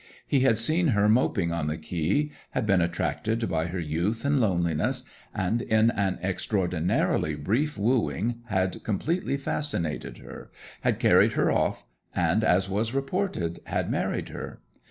He had seen her moping on the quay, had been attracted by her youth and loneliness, and in an extraordinarily brief wooing had completely fascinated her had carried her off, and, as was reported, had married her.